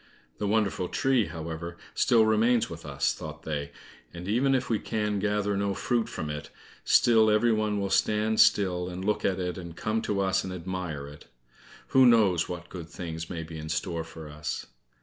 "The wonderful tree, however, still remains with us," thought they, "and even if we can gather no fruit from it, still every one will stand still and look at it, and come to us and admire it. Who knows what good things may be in store for us?"